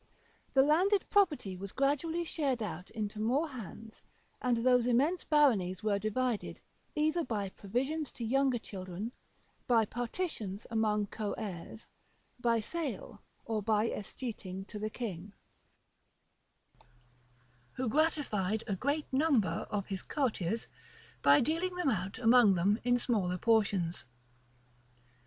The landed property was gradually shared out into more hands; and those immense baronies were divided, either by provisions to younger children, by partitions among co heirs, by sale, or by escheating to the king, who gratified a great number of his courtiers by dealing them out among them in smaller portions.